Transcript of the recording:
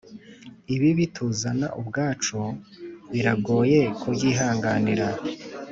ibibi tuzana ubwacu biragoye kubyihanganira.